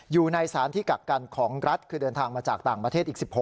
อยู่ในสารที่กักกันของรัฐ